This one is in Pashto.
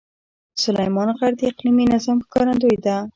سلیمان غر د اقلیمي نظام ښکارندوی دی.